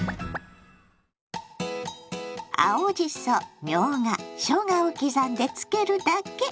青じそみょうがしょうがを刻んでつけるだけ！